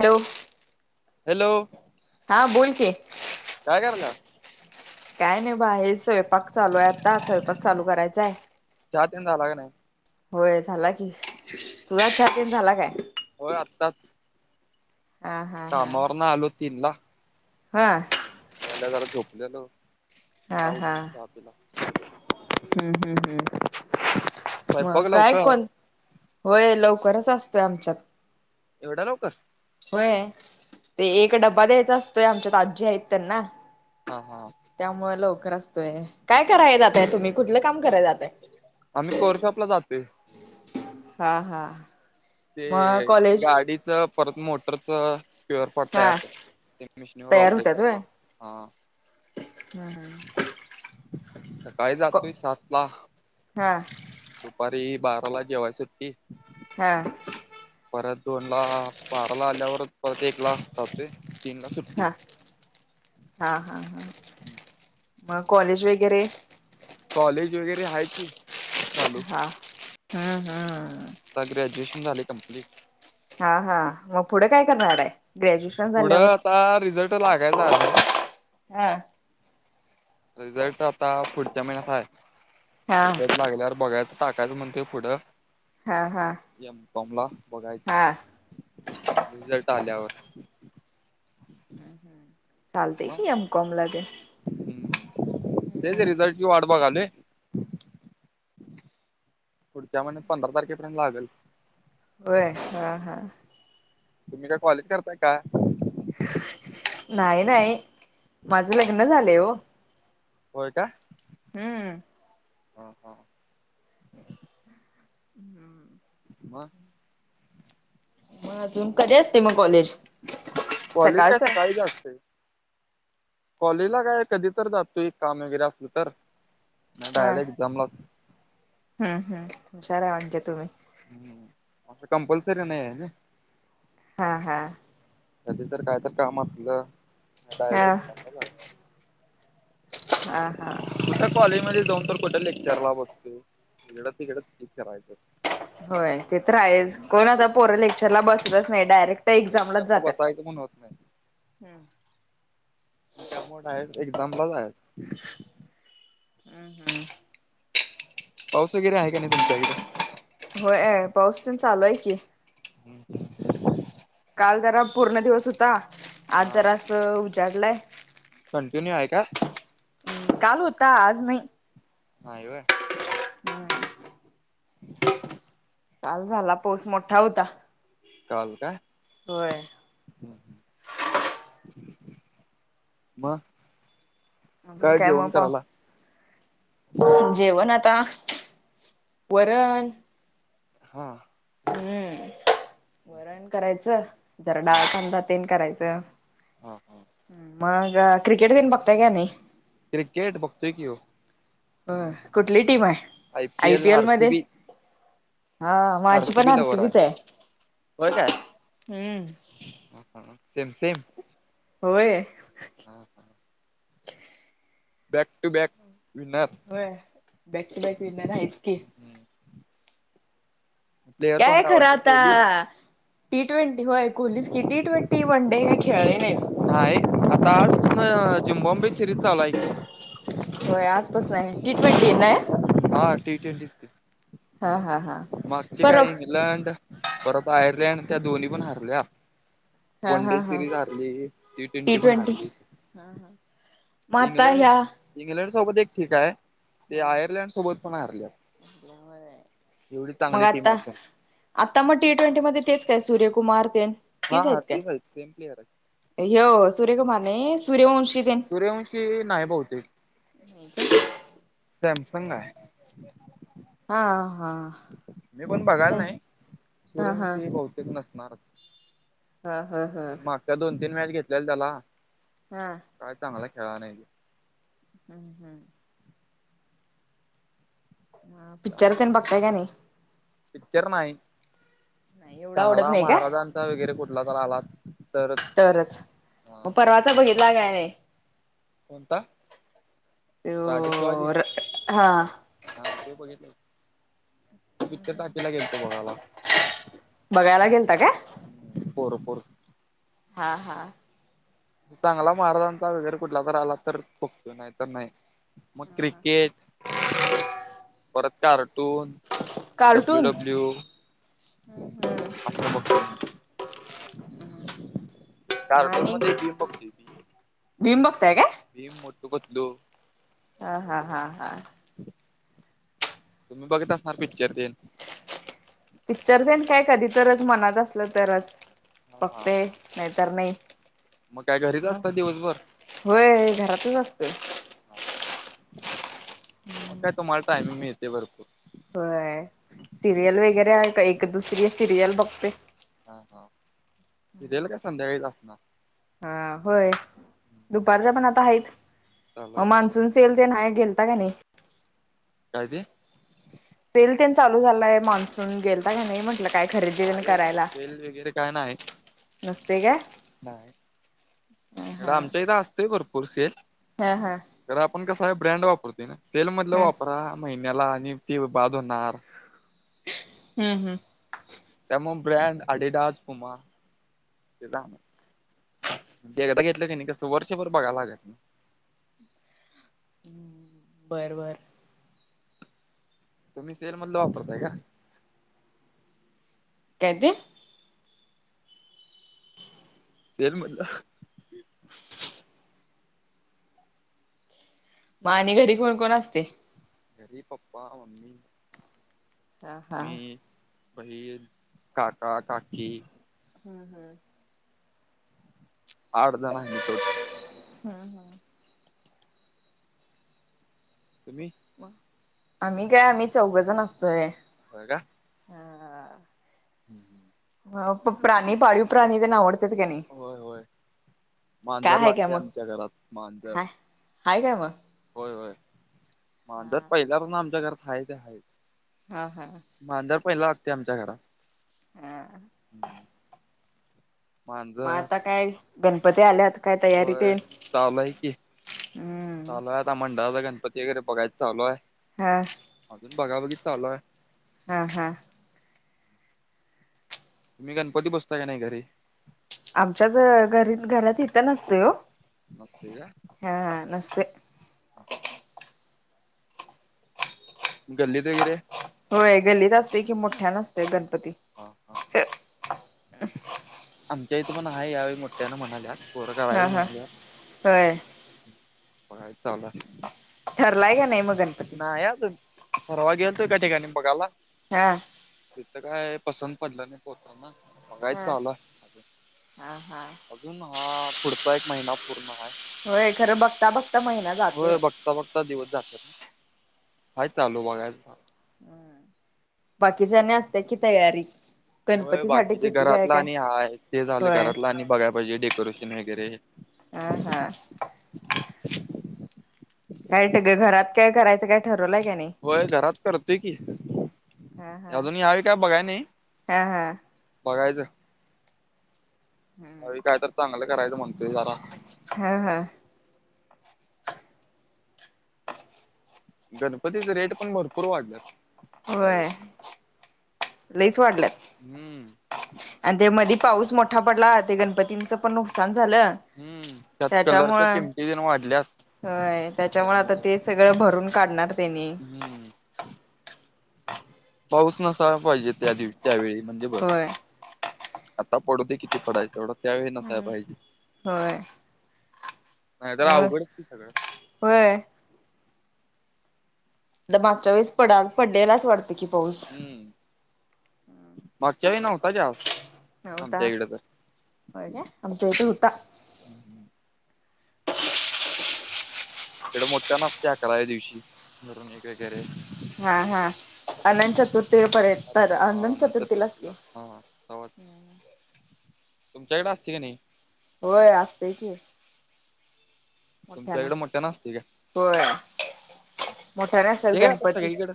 Hello. Hello. हा बोल की. काय कराल्यास? काय नाय बाहेर स्वयंपाक चालू आय आता स्वयंपाक चालू करायचाय. चहा तेन झाला का नाय? होय झाला की. तुझा चहा पिऊन झाला काय? होय आत्ताच हा हा हा कामावरन आलो तीन ला. हा. आल्या आल्या जरा झोपलेलो. हां आता हा उठून चहा पिला हम्म हम्म हम्म. स्वयंपाक मग काय लवकर कोण, होय लवकरच असतोय आमच्यात. एवढ्या लवकर? व्हय ते एक हा डब्बा द्यायचा असतोय आमच्यात आजी हायत त्यांना. हां हा. त्यामुळं लवकर असतोय. काय आज्जींना कराय डबा जाताय तुम्ही कुठलं काम कराय जाताय? आम्ही कोरशॉपला जातोय हा हा मग ते कॉलेज गाडीत च परत मोटरच स्क्युअर पार्ट हा तयार [inaudible] झा ते मिशनीवर ऑपरेट करला हां. हम्म हम. सकाळी जातोय सात ला हा दुपारी बारा ला जेवाय सुट्टी हां परत दोन ला बाराला आल्यावर परत एक ला जातोय ला सुट्टी हा, हां हा हा मग कॉलेज वगैरे? कॉलेज वगैरे आहे की चालू हा हम्म हम्म ग्रॅ्युएशन झालेय कंप्लीट हा हा मग पुढे काय करणार आहे? ग्रॅज्युएशन पुढं झाल्यावर आता रिझल्ट लागायचा अजून हा रिझल्ट आता पुढच्या महिन्यात आहे हा. रिझल्ट लागल्यावर बघायच टाकायचं म्हणतेय पुढं हा हा यामकॉमला हा बघायचं रिझल्ट आल्यावर चालतय की एम कॉम ला घे हम् तेच रिझल्टचीि वाट बघायलोय पुढच्या महिन्यात पंधरा तारखेपर्यंत लागल. वय, हा हा. तुम्ही काय कॉलेज करताय का? नाही नाही माझं लग्न झाले ओ. होय का? हम्म हा हा हम्म मग मग अजून कधी असते मग कॉलेज? कॉलेज काय सकाळचं सकाळीच असते. कॉलेजला काय कधी तर जातोय एक काम वगैरे असलं तर नाही हा. डायरेक्ट एक्झामलाच हम्म हम् हुशार आहे म्हणजे तुम्ही. हम्म असं कंपल्सरी नाही आहे हा हा कधी तर काय तर काम असलं हा डायरेक्ट एझमबला जायचं. हा हा कुठ्या कॉलेज मध्ये जाऊन तर कुठ्या लेक्चरला बसतो हीकडं तिकडं तर फिरायचं होय ते तर आहेस कोण आता लेक्चर पोर लेक्चरला बसतच नाही हा डायरेक्ट एक्झामलाच लेक्चरला जातात बसायचं पण होत नाही त्यामुळे डायरेक्ट एक्झामलाच जायचं पाऊस वगैरे आहे का नाही तुमच्या कडं होय पाऊस तेन चालू आहे की हम् काल जरा पूर्ण दिवस होता आज हा जरा असं उजाडलाय कंटिन्यू आहे का? काल होता आज नाही नाही होय. हम्म. ह. काल झाला पाऊस मोठा होता. काल का? होय ह. अजून काय मग, पा? जेवण आता वरण. हा. हम्म, वरण करायचं, झरडाखधातन करायचं. हां. मग क्रिकेट तर बघताय का नाही? क्रिकेट बघतोय की हो? हो, कुठली टीम आहे? I P L, R C B. हा, आर माझी सी पण बी लवर आरसीबीच आहे, हम्म. हा, सेम सेम. होय. हां हा. Back to back winner. होय, बॅक टू बॅक विनर आहेचं की. प्लेयर काय कोणता खरां आवडते आता. कोहली टी ट्वेंटी होय, कोहलीच की, टी ट्वेंटी, वन डे काय खेळले नाही? नाही, आता आजपासून झिम्बाब्वे सिरीज चालूय की. होय, आजपासून टी ट्वेंटी ना. हा, टी ट्वेंटी हा हा हा मागचे परवा काय, इंग्लंड? परत आयर्लंड, त्या दोन्ही पण हारल्या. हा वन हा डे हा सिरीज हारली, टी ट्वेंटी पण हारली. माता या इंग्लंडसोबत एक ठीक आहे, ते आयर्लंडसोबत पण हरले आहेत. एवढी मग चांगली टीम आता असून. आता मग टी ट्वेंटीमध्ये तेच काय, सूर्यकुमार ते? हा हा तेच आहेत सेम प्लेअर आहेत. व, सूर्यकुमार नाही, सूर्यवंशी टेन. सूर्यवंशी नाही बहुतेक, सॅमसंग आहे. हा हा. मी पण बघायला हा नाही, हा सुरंग क बहुतेक नसणारच. हा हा हा. त्या दोन-तीन मॅच घेतलेला त्याला. हा. काय चांगला खेळा नाहीे. हम् हम्. पिक्चर त्यामुळे तर बघताय का नाही? पिक्चर नाई. नाही एवढं आवडत चांगला नाही काय महाराजांचा वगैरे कुठला तर आला तरच. तरच. मग हा परवाचा नाहीतर बघितला काय नाही. कोणता. राजेश शिवाजी, तो हा हा ते बघितलं. पिक्चर टाकीला गेलतो बघायला. बघायला गेलता काय. पोर-पोर हा-हा चांगला महाराजांचा वगैरे कुठला तर आला तर, बघतोय, नाही तर नाही. मग क्रिकेट. परत कार्टून, कार्टून डब्ल्यू-डब्ल्यू. हम्म असं बघते मी, कार्टून म आणि भीम बागताय काय. भीम, मोठू पतलू. हा-हा-हा-हा. तुम्ही बघत असणार पिक्चर तेन. पिक्चरन तेन काय, कधी तरच मनात असलं तरच हा बागतोय नाही तर नाही, मग काय घरीच म असता दिवसभर होय घरातच असतोय. हा, मग काय तुम्हाला टाइमिंग मिळते भरपूर. होय. सिरियल वगैरे आहे, एक, दुसरी सिरियल बघते. हा-हा, सिरियल काय संध्याकाळीच असणार. हा होय, दुपारच्या पण आता आहेत. चालू आहे काय मान्सून सेल ते आहे. गेलता का नाही. काय ते. सेल तेन चालू झालाय मानसून, गेलता का नाही म्हटलं काय? खरेदी तेन नाही हो, करायला? सेल वगैरे काय नसते काय? नाही-नाही. ह इकडं आमच्या इथं असतोय भरपूर सेल हा-हा तर आपण कसं आहे ब्रँड वापरतो ना, सेल मधला वापरा महिन्याला आणि ते बाध होणार. हम्म-हम्म. त्यामुळे ब्रँड आदिडास, पुमा. एकदा घेतलं कणी कसं वर्षभर बघायला लागत नाही. बरं-बरं. तुम्ही सेल मधला वापरताय का? काय ते. [inaudible] सेल मधलं. मग आणि घरी कोण-कोण असते. घरी पाप्पा, ममी. हा हा मी, बहीण, काका, काकी. हम्म-हम्म. आठ जण आहे. मी तोट. तुम्ही? आम्ही काय, आम्ही चौघ जण असतोय. हो का? हम् हम ह प्राणी पाळीव प्राणी तेन उडते. नाही होय होय का मांजर आहे का लागते मग आमच्या घरात मांजर हा. आहे काय मग. होय होय मांजर पहिल्या तर ना आमच्या घरात हा ते आहेच. हा हा मांजर पहिला हागते आमच्या घरात. हा हम्म मग आता काय गणपती आल्यात काय तयारी ते. चालय की हम्म चालू आहे आता मंडळाला गणपती वगैरे बघायच चालूय. हा. अजून बघा बघि चालू आहे. हा हा. तुम्ही गणपती बसवताय का नाही घरी.? आमच्या ज घरीत घरात इथं नसतोय ओ. नसतोय का. हा हा नसतोय. गल्ली त वगैरे होय गल्लीत असतोय की मोठ्यानं असतोय गणपती. हां हां [unintelligible] आमच्या इथं पण आहे यावेळी मोठ्यान म्हणाल्या पोरं करायला हा म्हणाल्यात. होय बघायचं चालू आहे. ठरलाय का नाही मग गणपती. नाही अजून परवा गेलतो एका ठिकाणी बघायला. हा तिथं काय पसंत पडलं नाही पोरांना. बघाय हा चालू हाय हा अजून हा पुढचा एक महिना पूर्ण हाय. होय खरं बघता बघता महिना. होय जातोय बघता बघता दिवस जात्यात हाय चालू बघायच. बाकीच्या आणि असत्या की तयारी. होय गणपतीसाठी बाकीचे किती काय घरातलं काय आणि हाय, ते झालं होय घरातलं आणि बघाय पाहिजे डेकोरेशन वगैरे. अं हं. काय टगं घरात काय करायचं काय ठरवलाय काय नाही. होय घरात करतोय की हा हा अजून यावेळी काय बघाय नाही. हा हा बघायचं ह्या वेळी काय तर चांगलं करायचं म्हणतोय जरा. हं हं गणपतीचं रेट पण भरपूर वाढल्यात.. त्यावेळी. होय लईच वाढल्यात. हम्म आणि ते मधी पाऊस मोठा पडला ते गणपतींचं पण नुकसान झालं हम्म त्यात त्याच्यामुंळ कलरच्या किमती तेन वाढल्यात होय त्याच्यामुळं आता त्यामुळं ते सगळं भरून काढणार तेनी. हम् पाऊस नसायला पाहिजे त्या दिव त्यावेळी म्हणजे बरं होय आता पडुदे किती पडायच तेवढं त्यावेळी नसाय पाहिजे होय नाही तर मग अवघडच की सगळं. होय. द मागच्या वेळेस पडाल पडडेलाच वाट त की पाऊस हम्म मागच्या वेळी नव्हता जास नव्हता आमच्या इकडं तर. होय काय आमच्या इथं हुता. तर. इकडं मोठ्यानं असतंय अकराव्या दिवशी मिरवणूक वगैरे. हा हा अनंत चतुर्थीपर्यंत तर हा अनंत नंतर करू चतुर्थीलाच तुला की. हा तवाच तुमच्याकडं असतंय का नाही? होय असतंय की. मोठ्यान तुमच्याकडे असते का होय मोठ्याने असत्यात ते आता गणपती. सगळीकडे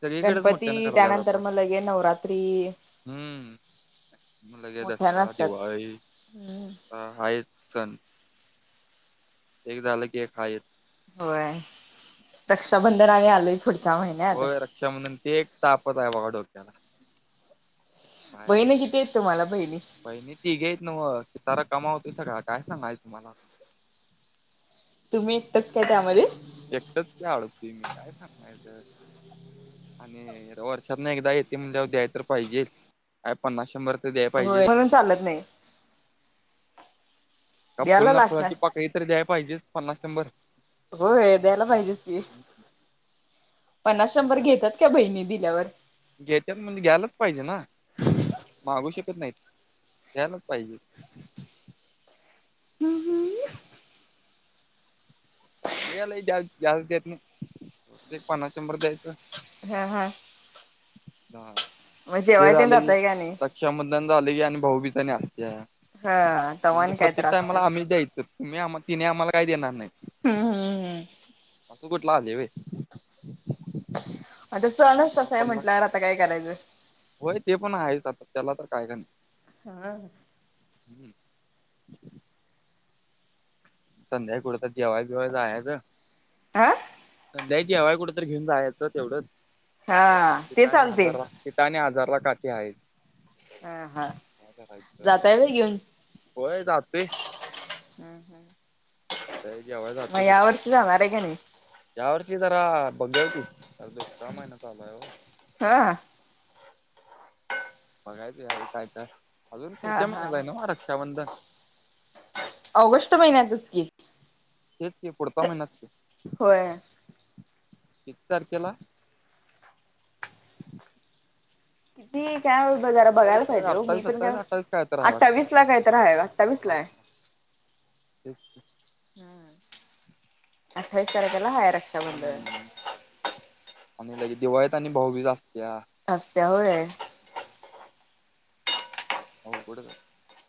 सगळीकडेच गणपती मोठ्यानं कराल्यात त्यानंतर आता म लगे नवरात्री. हम्म लगे मोठ्यानं असत्यात हम्म. हं हायत सण. एक झालं की एक हायचं. होय रक्षाबंधन आणि आलंय पुढच्या महिन्यात. क्षाबंधन ते एक तापतचं हाय बाबा डोक्याला. काय बहिणी किती येत तुम्हाला बहिणी? बहिणी तिघी हायत न्हवं खिसा रकामा होतोय सगळा काय सांगायच तुम्हाला. तुम्ही एकटचं काय त्यामध्ये? एकटंच की अडकतोय मी काय सांगायचं. आणि वर्षात न एकदा येते म्हटल्यावर द्याय तर पाहिजे काय पन्नास, शंभर तर द्याय पाहिजे होय म्हणून चालत नाही. का फुल द्यायला ना लागणार. फुलाची पाकळी तर द्याय पाहिजे पन्नास, शंभर. हो द्यायला पाहिजेच की काय पन्नास शंभर सांग घेत्यात काय बहिणी दिल्यावर. घेत्यात म्हणजे घ्यायलाच पाहिजे ना मागू शकत नाहीत घ्यायलाच पाहिजे. उम हम्म. ते काय लय जा जास्त देत नाही तेवढच एक पन्नास शंबर द्यायचं. हा हा. झालं मग ते जेवाय तेन झालं की जाताय का नाही रक्षाबंधन झाले की आणि भाऊबीज आणि असत्या. हा म्हणजे तवान काय तर प्रत्येक टायमला असतय आम्ही द्यायच तुम्ही आम तिने आम्हाला काय देणार नाही. हम् हम हम. अस कुठलं आलय होय? आता सणच त्यामुळे तसं आहे पन्नास म्हटल्यावर आता काय करायचं? होय ते पण आहेच आता त्याला तर काय करणार. हा. हम्म. संध्याकाळी कुठ तर जेवाय बीवाय जायचं. आ. संध्याकाळी जेवाय कुठं तर घेऊन जायचं तेवढंच हा तिथ ते आणि चालते हजार तिथं आणि हजारला काठीे हायचं. हा हा काय करायचं जाताय व्हय होय जातोय. हम्म जेवाय हम् म जातोय कुठं या तर वर्ष जाणार आहे की नाही? या वर्षी जरा बघूया की, दुष्काळ महिना चालू आहे ओ. हा? बघायचं यावेळी काय, काय अजून हा पुढच्या हा महिन्यात हाय नव्ह रक्षाबंधन? ऑगस्ट महिन्यातच की. तेच की, पुढचा महिनाच की. होय. किती तारखेला? ती त्याव जरा बघायला अठ्ठावीस पाहिजे ओ, मी अठ्ठावीस पण काय? सत्तावीस अठ्ठावीस काय तर आहे वाटतं अठ्ठावीस ला काही तर आहे अठ्ठावीस ला हाय. तेच की. अठ्ठावीस तारखेला हाय रक्षाबंधन. हम्म आणि लगेच दिवाळीत आणि भाऊबीज असत्या. असत्या होय? अवघडच हाय.